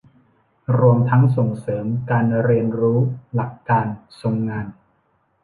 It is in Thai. รวมทั้งส่งเสริมการเรียนรู้หลักการทรงงาน